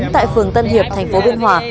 tại phường tân hiệp thành phố biên hòa